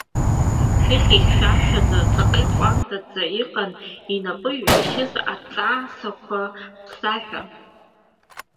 Хыхь ихьшәашәаӡа, ҵаҟа иҟәандаӡа иҟан инапы иҩахьшыз аҵаа-сақәа ԥсаҳәа.